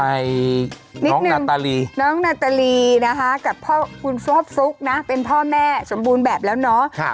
นิดนึงนาตาลีน้องนาตาลีนะคะกับพ่อคุณฟอบซุกนะเป็นพ่อแม่สมบูรณ์แบบแล้วเนาะ